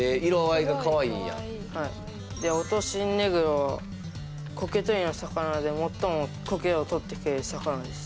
オトシンネグロはコケ取りの魚で最もコケを取ってくれる魚です。